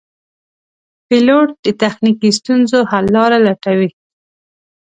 پیلوټ د تخنیکي ستونزو حل لاره لټوي.